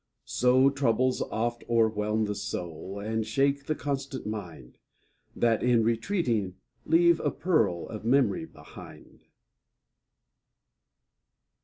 So troubles oft o'erwhelm the soul ; And shake the constant mind. That in retreating leave a pearl Of memory behind.